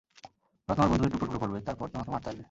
ওরা তোমার বন্ধুদের টুকরো টুকরো করবে, তারপর তোমাকে মারতে আসবে।